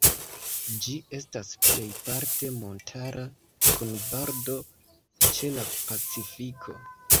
Ĝi estas plejparte montara, kun bordo ĉe la Pacifiko.